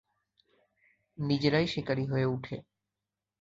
নিজেরাই শিকারী হয়ে উঠে।